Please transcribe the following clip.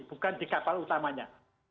bukan di kapal utamanya